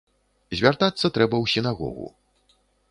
Звяртацца трэба ў сінагогу.